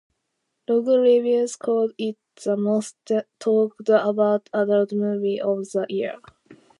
RogReviews called it "the most talked about adult movie of the year".